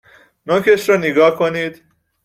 نوکش رو نیگا کنید